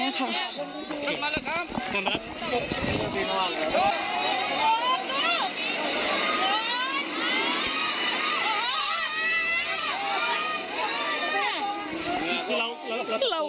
พร้อมด้วยผลตำรวจเอกนรัฐสวิตนันอธิบดีกรมราชทัน